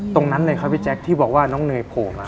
ตรงนั้นเลยครับพี่แจ๊คที่บอกว่าน้องเนยโผล่มา